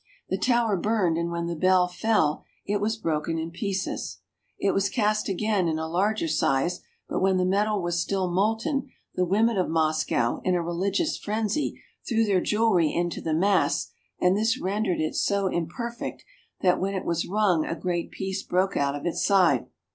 The tower burned, and when the bell fell it was broken in pieces. It was cast again in a larger size, but when the metal was still molten the women of Moscow, in a religious frenzy, threw their jewelry into the mass, and this rendered it so imper fect that when it was rung a great piece broke out of its side.